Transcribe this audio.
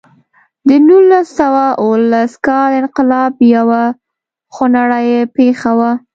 د نولس سوه اوولس کال انقلاب یوه خونړۍ پېښه وه.